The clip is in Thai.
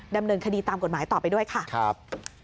ดำเนินคดีตามกฎหมายต่อไปด้วยค่ะครับ